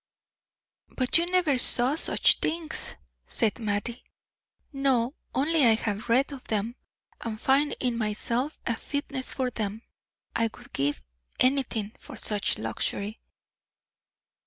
"But you never saw such things," said Mattie. "No; only I have read of them, and find in myself a fitness for them. I would give anything for such luxury."